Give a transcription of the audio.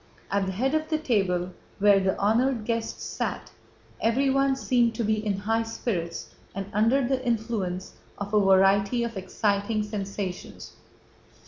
At the head of the table, where the honored guests sat, everyone seemed to be in high spirits and under the influence of a variety of exciting sensations.